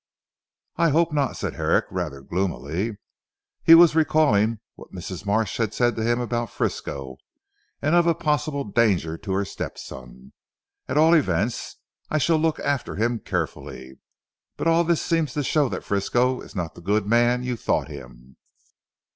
"I hope not," said Herrick rather gloomily. He was recalling what Mrs. Marsh had said to him about Frisco and of a possible danger to her step son. "At all events I shall look after him carefully. But all this seems to show that Frisco is not the good man you thought him."